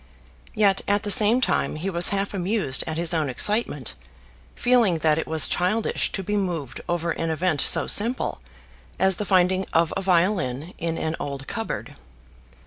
Yet at the same time he was half amused at his own excitement, feeling that it was childish to be moved over an event so simple as the finding of a violin in an old cupboard.